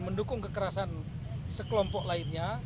mendukung kekerasan sekelompok lainnya